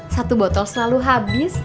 satu botol selalu habis